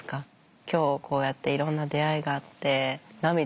今日こうやっていろんな出会いがあって涙も流れて